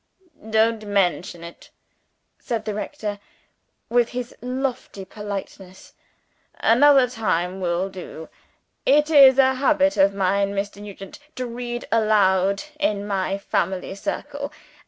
"Don't mention it," said the rector, with his lofty politeness. "Another time will do. It is a habit of mine, Mr. Nugent, to read aloud in my family circle.